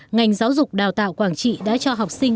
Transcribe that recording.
ngành giáo dục đào tạo quảng trị đã cho học sinh